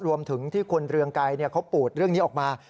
รวมถึงที่คุณเรืองไกรเขาปูดเรื่องนี้ออกมา